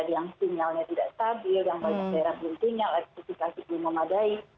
yang sinyalnya tidak stabil yang banyak daerah guntinya spesifikasi belum memadai